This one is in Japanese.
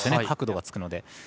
角度がつくので。